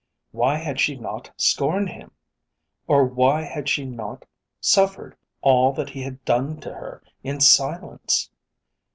Why had she not scorned him? Or why had she not suffered all that he had done to her in silence?